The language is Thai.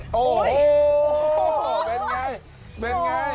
โอ้โฮเป็นอย่างไรเป็นอย่างไร